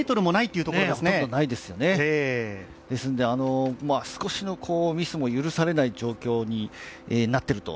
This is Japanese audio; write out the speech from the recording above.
ほとんどないですよね、ですので少しのミスも許されない状況になっていると。